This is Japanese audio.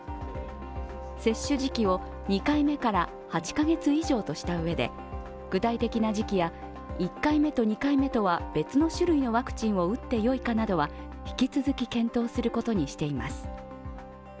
接種時期を２回目から８カ月以上としたうえで具体的な時期や１回目と２回目とでは別のワクチンを打ってよいかなどは、引き続き検討することにしています。